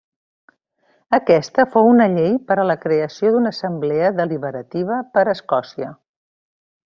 Aquesta fou una llei per a la creació d'una assemblea deliberativa per Escòcia.